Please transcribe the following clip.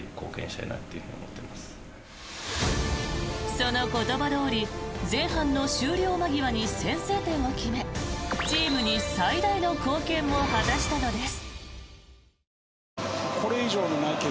その言葉どおり前半の終了間際に先制点を決めチームに最大の貢献を果たしたのです。